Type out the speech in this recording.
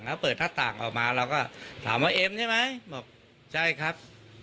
เขาเปิดหน้าต่างออกมาเราก็ถามว่าเอ็มใช่ไหมบอกใช่ครับ